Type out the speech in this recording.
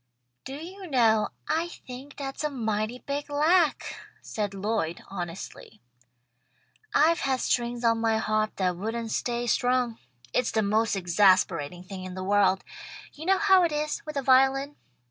"Do you know, I think that's a mighty big lack," said Lloyd, honestly. "I've had strings on my harp that wouldn't stay strung. It's the most exasperating thing in the world. You know how it is, with a violin.